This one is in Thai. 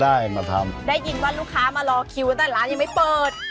ได้ยินว่ารูเป็นลูกค้ามารอคิวกันตลอดร้านไม่เปิด